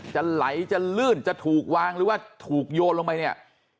จะไหลจะลื่นจะถูกวางหรือว่าถูกโยนลงไปเนี่ย